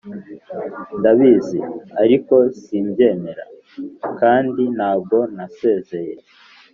ndabizi. ariko simbyemera. kandi ntabwo nasezeye.